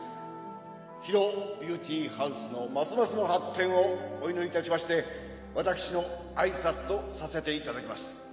ＨＩＲＯビューティーハウスのますますの発展をお祈りいたしまして私の挨拶とさせていただきます。